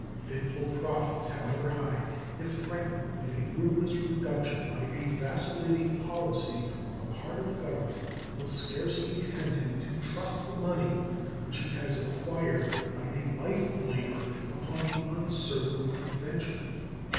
Fitful profits, however high, if threatened with a ruinous reduction by a vacillating policy on the part of Government, will scarcely tempt him to trust the money which he has acquired by a life of labor upon the uncertain adventure.